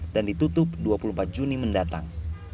dan ditutup dua puluh empat juni mendatang